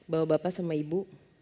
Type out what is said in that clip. bawa bapak sama ibu